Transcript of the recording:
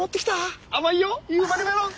甘いよ夕張メロン。